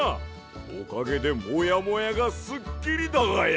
おかげでモヤモヤがすっきりだがや。